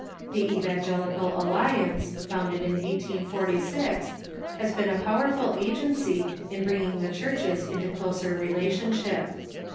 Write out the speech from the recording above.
The Evangelical Alliance, founded in 1846, has been a powerful agency in bring ing the churches into closer relationship.